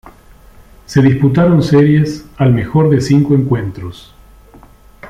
Se disputaron series al mejor de cinco encuentros.